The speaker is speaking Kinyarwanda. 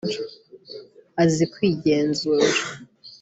Azi kwigenzura